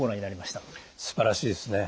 すばらしいですね。